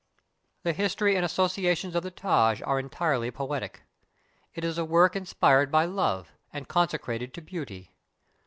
The histor}^ and associations of the Taj are entirely poetic. It is a work inspired by Love, and consecrated to Beauty.